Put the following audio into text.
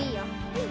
うん。